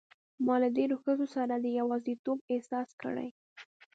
ما له ډېرو ښځو سره د یوازیتوب احساس کړی.